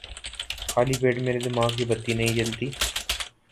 خالی پیٹ میرے دماغ کی بتی نہیں جلتی